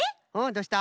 どうした？